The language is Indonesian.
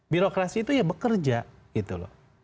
birokrasi itu ya bekerja gitu loh